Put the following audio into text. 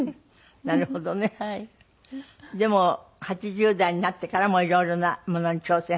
でも８０代になってからも色々なものに挑戦。